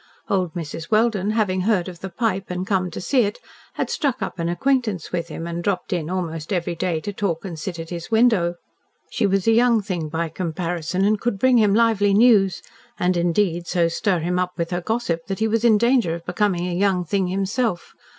Old Mrs. Welden, having heard of the pipe, and come to see it, had struck up an acquaintance with him, and dropped in almost every day to talk and sit at his window. She was a young thing, by comparison, and could bring him lively news, and, indeed, so stir him up with her gossip that he was in danger of becoming a young thing himself.